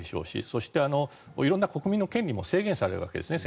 そして、色んな国民の権利も制限されるわけですね。